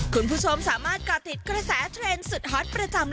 คุณผู้ชมสามารถก่อติดกระแสเทรนด์สุดฮอตประจำ